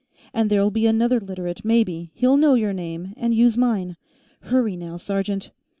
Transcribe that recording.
And there'll be another Literate, maybe; he'll know your name, and use mine. Hurry, now, sergeant."